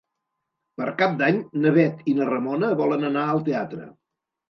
Per Cap d'Any na Bet i na Ramona volen anar al teatre.